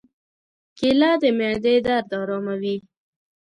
کېله د معدې درد آراموي.